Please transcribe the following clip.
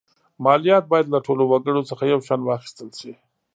مالیات باید له ټولو وګړو څخه یو شان واخیستل شي.